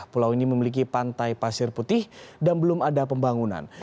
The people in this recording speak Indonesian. pulau ini memiliki pantai pasir putih dan belum ada pembangunan